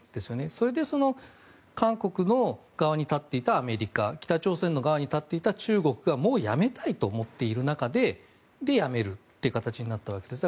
それで、韓国側に立っていたアメリカ北朝鮮の側に立っていた中国がもうやめたいと思っていた中でやめたわけです。